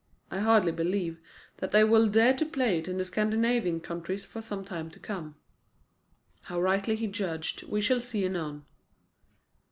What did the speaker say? I hardly believe that they will dare to play it in the Scandinavian countries for some time to come." How rightly he judged we shall see anon.